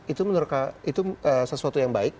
itu menurut saya itu sesuatu yang baik